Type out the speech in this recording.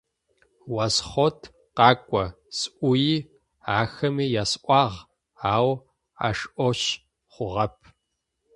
«Ос хъот къакӏо»,- сӏуи ахэми ясӏуагъ, ау ашӏошъ хъугъэп.